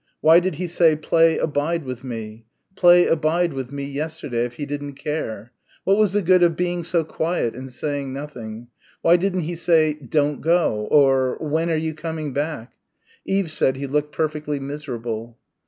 Why did he say, "Play 'Abide with me,'" "Play 'Abide with me'" yesterday, if he didn't care? What was the good of being so quiet and saying nothing? Why didn't he say "Don't go" or "When are you coming back?" Eve said he looked perfectly miserable.